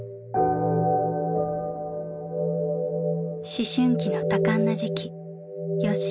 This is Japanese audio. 思春期の多感な時期よっしー